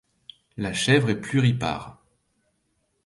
La chèvre est pluripare.